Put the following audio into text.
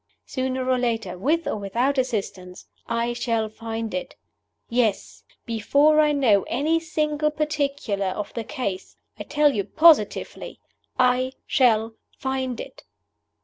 Sooner or later, with or without assistance, I shall find it. Yes! before I know any single particular of the Case, I tell you positively I shall find it!